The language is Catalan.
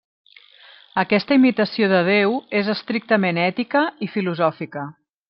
Aquesta imitació de Déu és estrictament ètica i filosòfica.